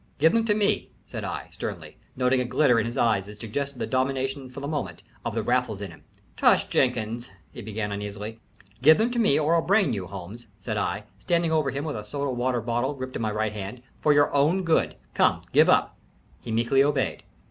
"Give them to me," said I, sternly, noting a glitter in his eye that suggested the domination for the moment of the Raffles in him. "Tush, Jenkins," he began, uneasily. "Give them to me, or I'll brain you, Holmes," said I, standing over him with a soda water bottle gripped in my right hand, "for your own good. Come, give up." He meekly obeyed.